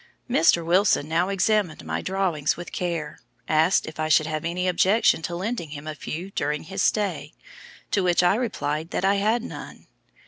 Mr. Wilson now examined my drawings with care, asked if I should have any objection to lending him a few during his stay, to which I replied that I had none.